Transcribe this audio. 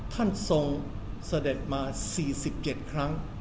ท่านทรงเสด็จมา๔๗ครั้ง